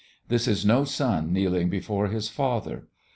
This is no son kneeling before his father.